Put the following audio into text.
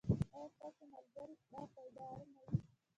ایا ستاسو ملګرتیا به پایداره نه وي؟